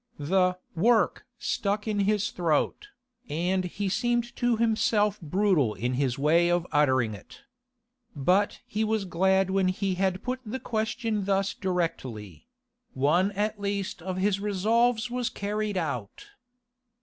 The 'work' stuck in his throat, and he seemed to himself brutal in his way of uttering it. But he was glad when he had put the question thus directly; one at least of his resolves was carried out.